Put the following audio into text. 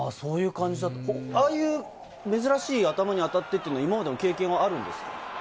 ああいう珍しい、頭に当たってというのは今まで経験あるんですか？